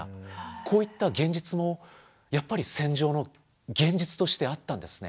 こういった現実もやっぱり戦場の現実としてあったんですね。